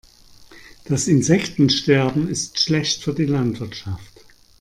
Das Insektensterben ist schlecht für die Landwirtschaft.